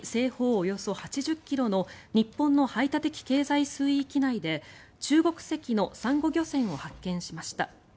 およそ８０ｋｍの日本の排他的経済水域内で中国籍のサンゴ漁船を発見しました。